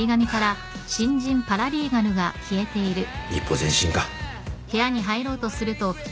一歩前進か。